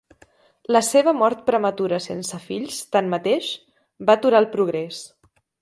La seva mort prematura sense fills, tanmateix, va aturar el progrés.